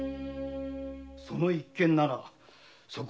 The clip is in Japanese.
その一件ならそこ